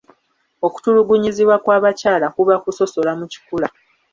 Okutulugunyizibwa kw'abakyala kuba kusosola mu kikula.